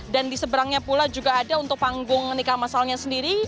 dan di seberangnya pula juga ada untuk panggung nikah masalnya sendiri